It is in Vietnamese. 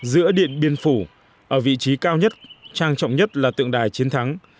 giữa điện biên phủ ở vị trí cao nhất trang trọng nhất là tượng đài chiến thắng